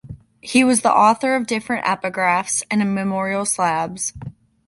He was the author of different epigraphs and memorial slabs.